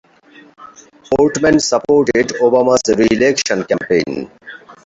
Portman supported Obama's re-election campaign.